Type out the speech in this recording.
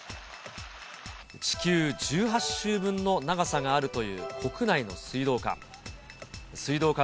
地球１８周分の長さがあるという国内の水道管。